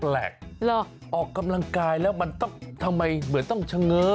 ออกกำลังกายแล้วมันต้องทำไมเหมือนต้องเฉง้อ